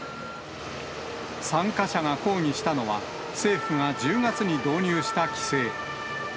参加者が抗議したのは、政府が１０月に導入した規制。